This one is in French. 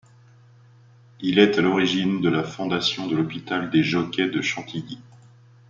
Il est à l’origine de la fondation de l’hôpital des Jockeys de Chantilly.